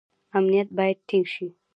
امنیت باید ټینګ شي